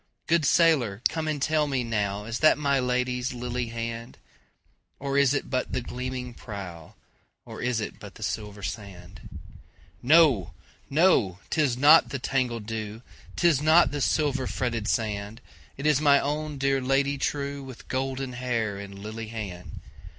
Good sailor come and tell me nowIs that my Lady's lily hand? Or is it but the gleaming prow, Or is it but the silver sand? No! no! 'tis not the tangled dew,'Tis not the silver fretted sand, It is my own dear Lady trueWith golden hair and lily hand!